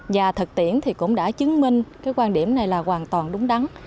và thực tiễn thì cũng đã chứng minh cái quan điểm này là hoàn toàn đúng đắn